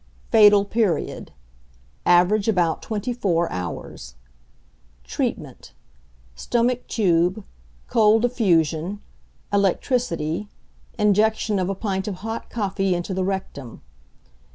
Fatal Period. Average about twenty four hours. Treatment. Stomach tube, cold affusion, electricity, injection of a pint of hot coffee into the rectum.